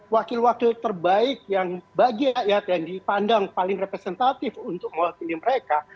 wakil wakil terbaik yang bagi rakyat yang dipandang paling representatif untuk mewakili mereka